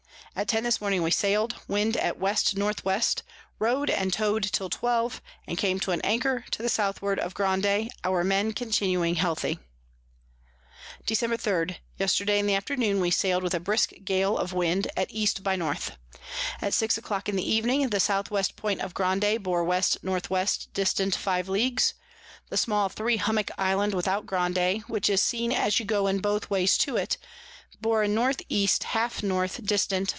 At ten this morning we sail'd, Wind at W N W. row'd and tow'd till twelve, and came to an Anchor to the Southward of Grande, our Men continuing healthy. [Sidenote: Description of Grande.] Dec. 3. Yesterday in the afternoon we sail'd with a brisk Gale of Wind at E by N. At six a clock in the Evening, the S W Point of Grande bore W N W. distant five Leagues. The small Three Hummock Island without Grande, which is seen as you go in both ways to it, bore N E 1/2 N. dist.